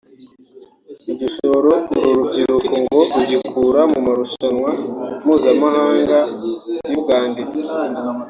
Igishoro uru rubyiruko ngo rugikura mu marushanwa mpuzamahanga y’ubwanditsi